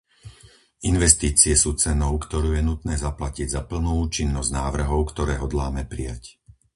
Investície sú cenou, ktorú je nutné zaplatiť za plnú účinnosť návrhov, ktoré hodláme prijať.